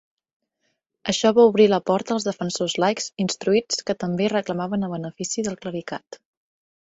Això va obrir la porta als defensors laics instruïts que també reclamaven el benefici del clericat.